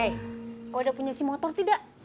hei kau udah punya si motor tidak